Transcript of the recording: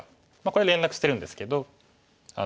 これ連絡してるんですけど。